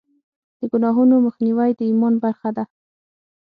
د ګناهونو مخنیوی د ایمان برخه ده.